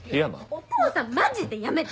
お父さんマジでやめて！